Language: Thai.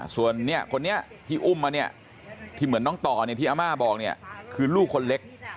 ส่วนคนนี้ที่อุ้มมาเนี่ยที่เหมือนน้องต่อที่อาม่าบอกเนี่ยคือลูกคนเล็ก